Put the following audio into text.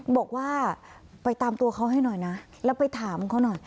บอกว่าไปตามตัวเขาให้หน่อยนะแล้วไปถามเขาหน่อย